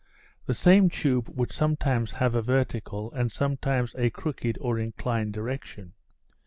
The same tube would sometimes have a vertical, and sometimes a crooked or inclined direction.